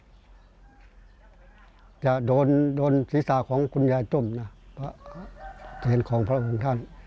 ศีรษะจะโดนศีรษะของคุณยายตุ้มนะเพราะจะเห็นของพระองค์ท่าน